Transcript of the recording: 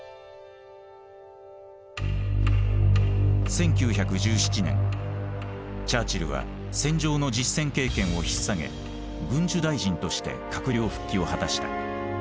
１９１７年チャーチルは戦場の実戦経験をひっ提げ軍需大臣として閣僚復帰を果たした。